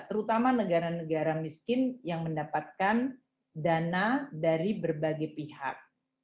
terutama negara negara miskin yang mendapatkan dana dari berbagai pihak